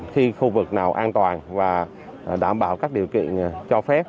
khi khu vực nào an toàn và đảm bảo các điều kiện cho phép